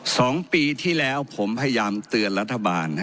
สองปีที่แล้วผมพยายามเตือนรัฐบาล